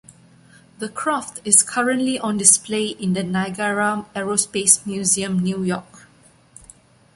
The craft is currently on display in the Niagara Aerospace Museum, New York.